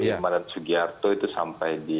irman dan sugiarto itu sampai di